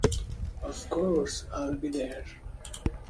Of course, I’ll be there!